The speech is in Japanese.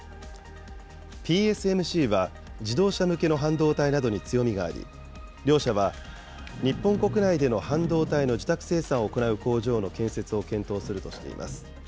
ＰＳＭＣは、自動車向けの半導体などに強みがあり、両社は日本国内での半導体の受託生産を行う工場の建設を検討するとしています。